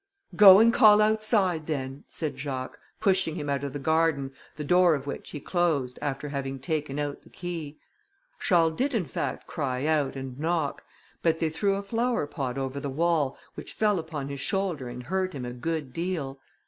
"Go and call outside then!" said Jacques, pushing him out of the garden, the door of which he closed, after having taken out the key. Charles did in fact cry out, and knock, but they threw a flower pot over the wall, which fell upon his shoulder and hurt him a good deal.